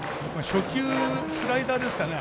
初球スライダーですかね。